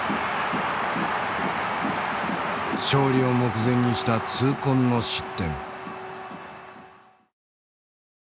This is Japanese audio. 勝利を目前にした痛恨の失点。